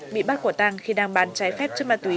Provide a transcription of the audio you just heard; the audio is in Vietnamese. bị bắt của tàng khi đang bán trái phép chất ma túy